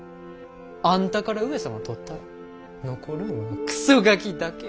あんたから上様取ったら残るんはクソガキだけや！